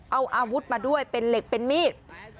เอาอาวุธมาด้วยเป็นเหล็กเป็นมีด